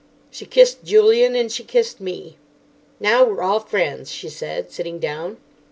She kissed Julian, and she kissed me. "Now we're all friends," she said, sitting down.